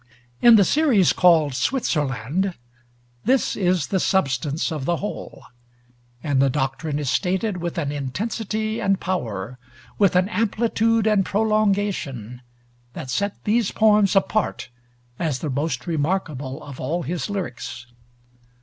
In the series called 'Switzerland,' this is the substance of the whole; and the doctrine is stated with an intensity and power, with an amplitude and prolongation, that set these poems apart as the most remarkable of all his lyrics.